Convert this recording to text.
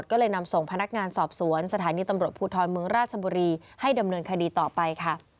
ก็เลยนำส่งพนักงานสอบสวนสถานีตำรวจภูทรเมืองราชบุรีให้ดำเนินคดีต่อไปค่ะ